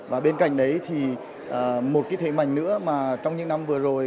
và bên cạnh đấy thì một cái thế mạnh nữa mà trong những năm vừa rồi